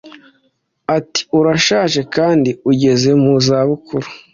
ati urashaje kandi ugeze mu zabukuru